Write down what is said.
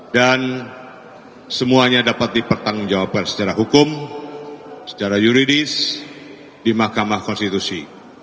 dan semuanya dapat dipertanggungjawabkan secara hukum secara yuridis di mahkamah konstitusi